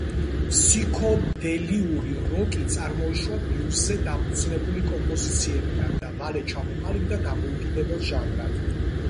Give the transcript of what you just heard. ფსიქოდელიური როკი წარმოიშვა ბლუზზე დაფუძნებული კომპოზიციებიდან და მალე ჩამოყალიბდა დამოუკიდებელ ჟანრად.